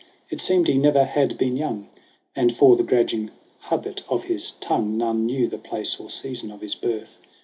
It seemed he never had been young; And, for the grudging habit of his tongue, None knew the place or season of his birth.